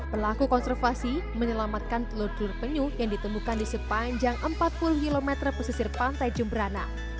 pelaku konservasi menyelamatkan telur telur penyu yang ditemukan di sepanjang empat puluh km pesisir pantai jemberana